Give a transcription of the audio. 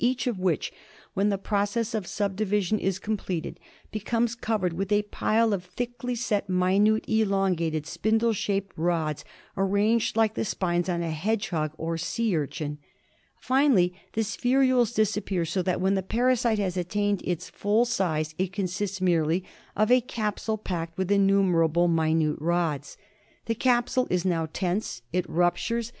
each of which, when the process of subdivision is com pleted, becomes covered with a pile of thickly set minute elongated spindle shaped rods arranged like the spines on a hedgehog or sea urchin. Finally the ' spherules disap pear ; so that when the parasite has attained its full size it consists merely of a capsule packed with innumerable minute rods. The capsule is now tense. It ruptures.